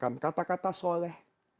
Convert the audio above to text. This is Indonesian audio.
kalau boleh saya tambahkan kata kata soleh